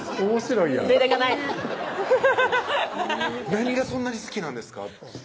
何がそんなに好きなんですか？